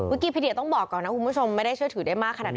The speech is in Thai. กี้พิเดียต้องบอกก่อนนะคุณผู้ชมไม่ได้เชื่อถือได้มากขนาดนั้น